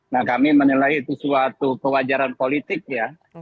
nah kami menilai itu suatu kewajaran politik ya